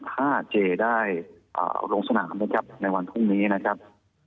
ถ้าเจได้ลงสนามนะครับในวันพรุ่งนี้นะครับ